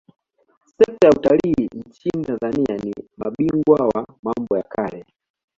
Sekta ya Utalii nchini Tanzania ni mabingwa wa mambo ya kale